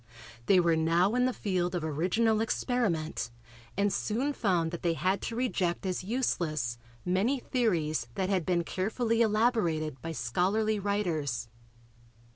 They were now in the field of original experiment and soon found that they had to reject as useless many theories that had been carefully elaborated by scholarly writers.